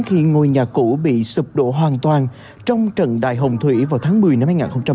khi ngôi nhà cũ bị sập đổ hoàn toàn trong trận đại hồng thủy vào tháng một mươi năm hai nghìn một mươi ba